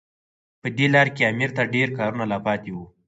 په دې لاره کې امیر ته ډېر کارونه لا پاتې وو.